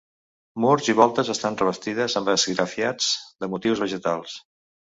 Murs i voltes estan revestides amb esgrafiats de motius vegetals.